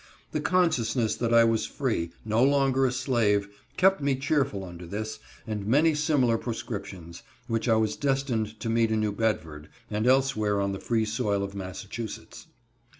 The consciousness that I was free—no longer a slave—kept me cheerful under this, and many similar proscriptions, which I was destined to meet in New Bedford and elsewhere on the free soil of Massachusetts.